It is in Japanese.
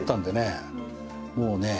もうね